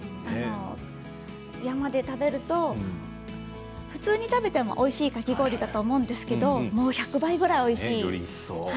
山で食べると普通に食べてもおいしいかき氷だと思うんですが１００倍ぐらいおいしくなります。